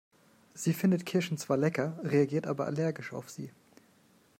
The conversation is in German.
Sie findet Kirschen zwar lecker, reagiert aber allergisch auf sie.